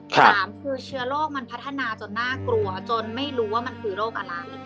สามคือเชื้อโรคมันพัฒนาจนน่ากลัวจนไม่รู้ว่ามันคือโรคอะไร